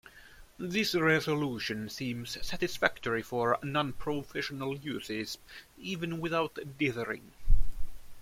This resolution seems satisfactory for non-professional uses, even without dithering.